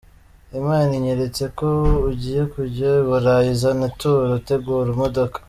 Imana inyeretse ko ugiye kujya I Burayi, zana ituro tugure imodoka.